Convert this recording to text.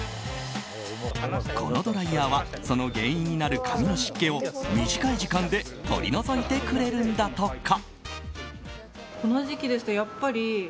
このドライヤーはその原因になる髪の湿気を短い時間で取り除いてくれるんだとか。